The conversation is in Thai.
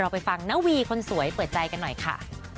ไปฟังนาวีคนสวยเปิดใจกันหน่อยค่ะ